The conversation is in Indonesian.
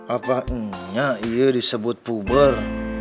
apa nya ibu disebut puber